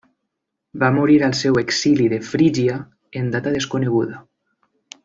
Va morir al seu exili de Frígia en data desconeguda.